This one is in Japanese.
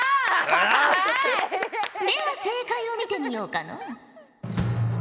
では正解を見てみようかのう。